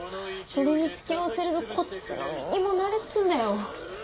それに付き合わされるこっちの身にもなれっつうんだよ。